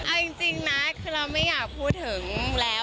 เอาจริงนะคือเราไม่อยากพูดถึงแล้ว